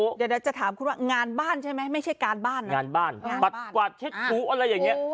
เดี๋ยวจะถามคุณว่างานบ้านใช่ไหมไม่ใช่การบ้านนะงานบ้านปัดกวาดเช็ดหูอะไรอย่างนี้